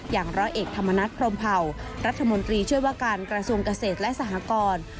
อย่างร้อยเอกธรรมนัฐพรมเผารัฐมนตรีช่วยว่าการกระทรวงเกษตรและสหกร